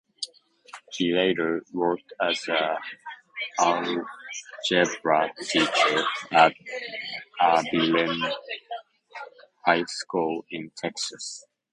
He later worked as an algebra teacher at Abilene High School in Texas.